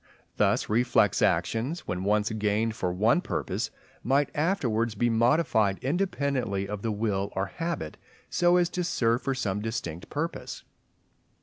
Thus reflex actions, when once gained for one purpose, might afterwards be modified independently of the will or habit, so as to serve for some distinct purpose.